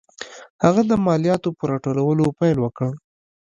هغه د مالیاتو په راټولولو پیل وکړ.